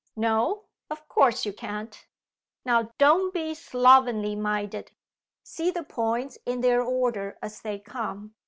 No; of course you can't. Now don't be slovenly minded! See the points in their order as they come.